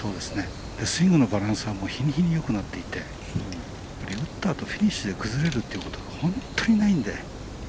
スイングのバランスは日に日によくなっていて、打ったあとフィニッシュで崩れることが本当にないんで。